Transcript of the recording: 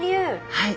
はい。